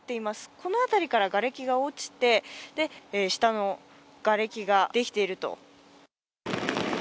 この辺りからがれきが落ちて、下のがれきができていると。